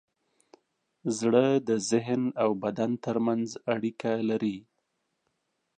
زړه د ذهن او بدن ترمنځ اړیکه لري.